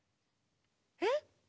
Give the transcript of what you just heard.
えっ？